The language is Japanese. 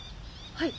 はい。